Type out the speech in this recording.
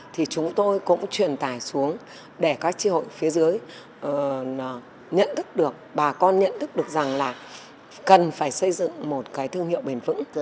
thì chúng tôi cũng truyền tài xuống để các tri hội phía dưới nhận thức được bà con nhận thức được rằng là cần phải xây dựng một cái thương hiệu bền vững